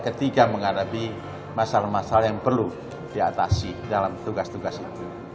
ketika menghadapi masalah masalah yang perlu diatasi dalam tugas tugas itu